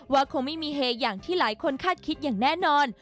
คงไม่มีเฮอย่างที่หลายคนคาดคิดอย่างแน่นอน